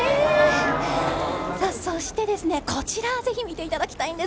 そして、こちらぜひ見ていただきたいんです。